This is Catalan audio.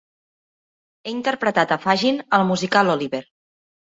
Ha interpretat a Fagin al musical "Oliver!"